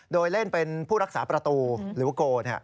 โดยเล่นเป็นผู้รักษาประตูหรือว่าโก